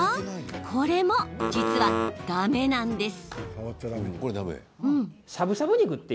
これも、実はだめなんです。